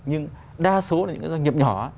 nhưng đa số là những doanh nghiệp nhỏ